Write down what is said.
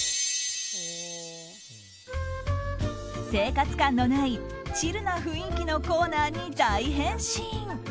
生活感のないチルな雰囲気のコーナーに大変身。